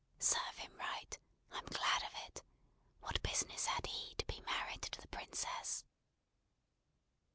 Serve him right. I'm glad of it. What business had he to be married to the Princess!"